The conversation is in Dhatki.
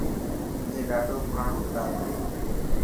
اي ڏاڌو پراڻو ڪتاب هي.